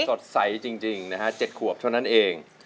สดใสจริงนะฮะ๗ขวบเท่านั้นเอง